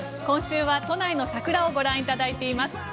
今週は都内の桜をご覧いただいています。